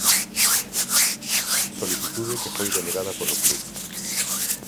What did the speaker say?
Solicitude que foi denegada polo club.